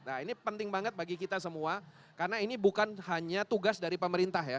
nah ini penting banget bagi kita semua karena ini bukan hanya tugas dari pemerintah ya